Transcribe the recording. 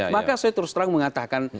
maka saya terus terang mengatakan